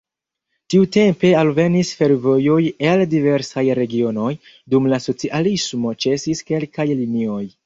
Tiutempe alvenis fervojoj el diversaj regionoj, dum la socialismo ĉesis kelkaj linioj.